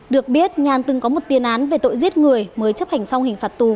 được biết nhàn từng có một tiền án về tội giết người mới chấp hành xong hình phạt tù